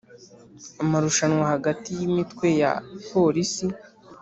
Amarushanwa hagati y imitwe ya polisi